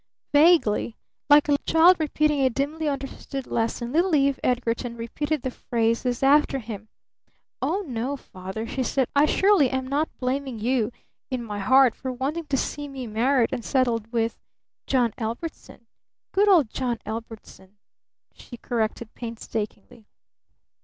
Vaguely, like a child repeating a dimly understood lesson, little Eve Edgarton repeated the phrases after him. "Oh, no, Father," she said, "I surely am not blaming you in my heart for wanting to see me married and settled with John Ellbertson. Good old John Ellbertson," she corrected painstakingly.